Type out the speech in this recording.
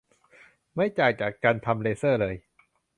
ไม่ต่างจากการทำเลเซอร์เลย